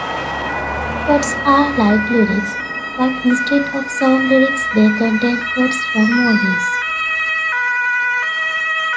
Quotes are like Lyrics, but instead of song lyrics they contain quotes from movies.